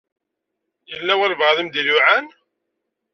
Yella walebɛaḍ i m-d-iluɛan?